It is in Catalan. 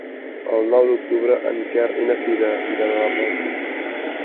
El nou d'octubre en Quer i na Cira iran a la platja.